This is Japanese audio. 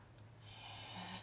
へえ。